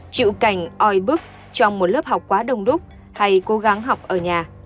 chịu cảnh oi bức trong một lớp học quá đông đúc hay cố gắng học ở nhà